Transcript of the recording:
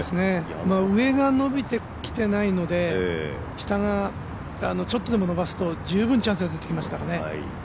上が伸びてきてないので下がちょっとでも伸ばすと十分チャンスが出てきますから。